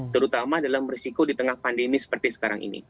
terutama dalam risiko di tengah pandemi seperti sekarang ini